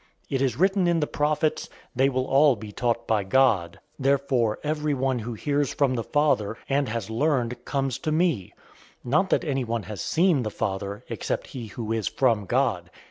006:045 It is written in the prophets, 'They will all be taught by God.'{Isaiah 54:13} Therefore everyone who hears from the Father, and has learned, comes to me. 006:046 Not that anyone has seen the Father, except he who is from God.